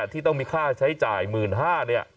ที่ต้องมีค่าใช้จ่าย๑๕๐๐๐บาท